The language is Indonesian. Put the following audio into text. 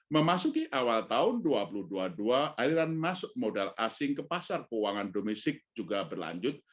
memasuki awal tahun dua ribu dua puluh dua aliran masuk modal asing ke pasar keuangan domestik juga berlanjut